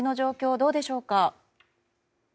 どうでしょうか？